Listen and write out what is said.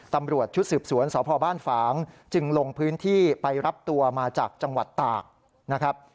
ตำรวจชุดสืบสวนสพบ้านฝางจึงลงพื้นที่ไปรับตัวมาจากจังหวัดตากนะครับ